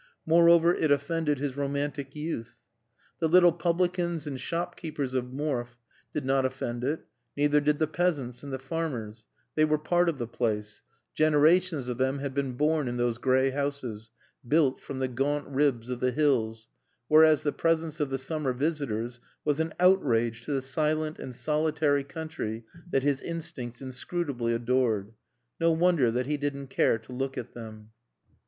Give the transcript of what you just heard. Moreover it offended his romantic youth. The little publicans and shop keepers of Morfe did not offend it; neither did the peasants and the farmers; they were part of the place; generations of them had been born in those gray houses, built from the gaunt ribs of the hills; whereas the presence of the summer visitors was an outrage to the silent and solitary country that his instincts inscrutably adored. No wonder that he didn't care to look at them.